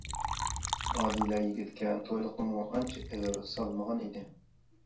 ئادىلە يىگىتكە تويلۇقنىمۇ ئانچە ئېغىر سالمىغان ئىدى.